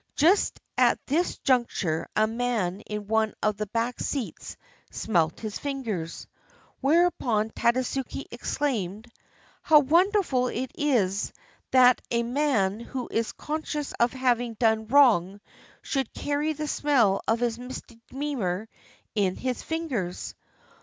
Just at this juncture a man in one of the back seats smelt his fingers. Whereupon Tadasuke exclaimed: — "How wonderful it is that a man who is conscious of having done wrong should carry the smell of his misdemeanor in his fingers!